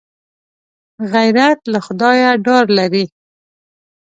غیرت له خدایه ډار لري